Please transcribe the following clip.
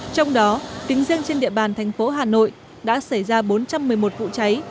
trong đó tính riêng trên địa bàn thành phố hà nội đã xảy ra bốn trăm một mươi một vụ cháy